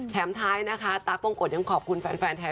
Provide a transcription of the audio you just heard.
แถมท้ายตั๊กปกติอย่างขอบคุณแฟนไทยรัฐ